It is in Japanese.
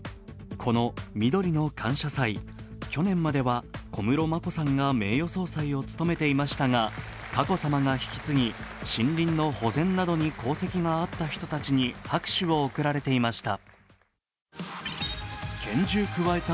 このみどりの感謝祭、去年までは小室眞子さんが名誉総裁を務めていましたが、佳子さまが引き継ぎ森林の保全などに功績があった人たちに拍手をおくられていました。